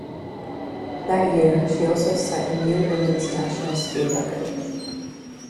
That year, she also set a new women's national speed record.